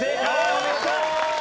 お見事！